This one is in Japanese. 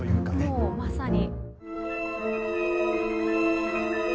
もうまさに。